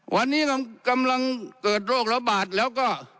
วันนี้กำลังเกิดโรคระบาดแล้วก็